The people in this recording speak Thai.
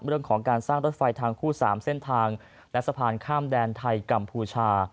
เรื่องของการสร้างรถไฟทางคู่๓เส้นทางและสะพานข้ามแดนไทยกัมพูชา